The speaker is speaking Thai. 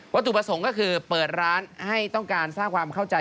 ตุประสงค์ก็คือเปิดร้านให้ต้องการสร้างความเข้าใจ